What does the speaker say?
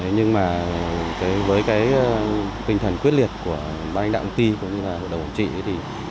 nhưng mà với cái tinh thần quyết liệt của ban anh đạo công ty cũng như là hội đồng ổn trị thì